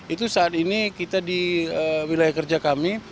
itu saat ini kita di wilayah kerja kami